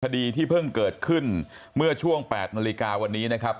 คดีที่เพิ่งเกิดขึ้นเมื่อช่วง๘นาฬิกาวันนี้นะครับ